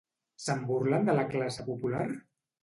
Se'n burlen de la classe popular?